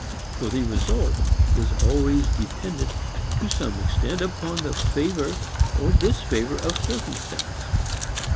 For the result is always dependent to some extent upon the favor or disfavor of circumstance.